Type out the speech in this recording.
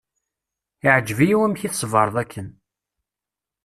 Iεǧeb-iyi wamek i tṣebreḍ akken.